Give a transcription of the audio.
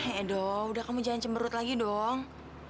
hedoh udah kamu jangan cemberut lagi dong